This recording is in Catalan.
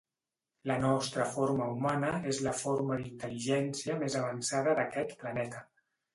La nostra forma humana és la forma d'intel·ligència més avançada d'aquest planeta.